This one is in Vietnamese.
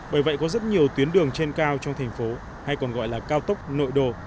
bởi vậy có rất nhiều tuyến đường trên cao trong thành phố hay còn gọi là cao tốc nội đồ